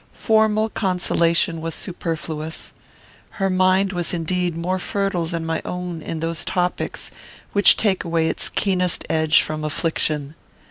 Formal consolation was superfluous. Her mind was indeed more fertile than my own in those topics which take away its keenest edge from affliction.